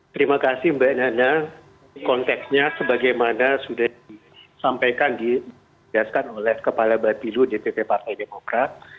terima kasih mbak nana konteksnya sebagaimana sudah disampaikan digaskan oleh kepala bapilu dpp partai demokrat